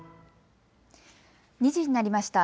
２時になりました。